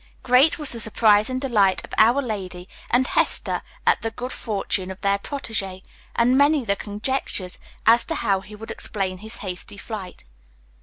Great was the surprise and delight of our lady and Hester at the good fortune of their protege, and many the conjectures as to how he would explain his hasty flight.